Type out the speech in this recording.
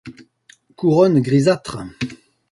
Couronne grisâtre.